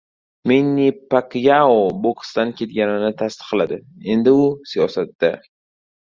Menni Pakyao boksdan ketganini tasdiqladi. Endi u siyosatda...